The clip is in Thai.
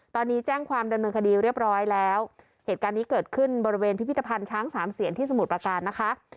ตอนนี้แจ้งความดำเนินคดีเรียบร้อยแล้วเหตุการณ์นี้เกิดขึ้นบริเวณพิพิธภัณฑ์ช้างสามเสียนที่สมุทรประการนะคะ